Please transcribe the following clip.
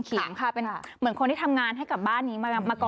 ประมาณนั้นต่อหรือว่ามันชีวิตคนนี้หรือห้ะ